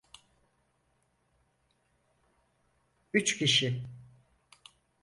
Üç kişi.